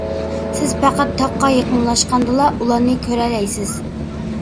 سىز پەقەت تاغقا يېقىنلاشقاندىلا، ئۇلارنى كۆرەلەيسىز.